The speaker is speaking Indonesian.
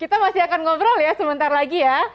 kita masih akan ngobrol ya sebentar lagi ya